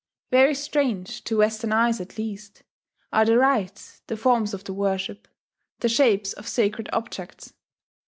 Very strange, to Western eyes at least, are the rites, the forms of the worship, the shapes of sacred objects.